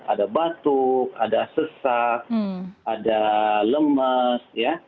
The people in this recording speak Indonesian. ada batuk ada sesak ada lemes